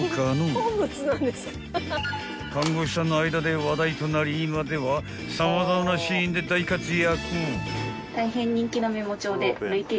［看護師さんの間で話題となり今では様々なシーンで大活躍］